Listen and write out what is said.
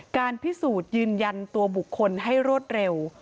การพิสูจน์ยืนยันตัวบุคคลให้รวดเร็ว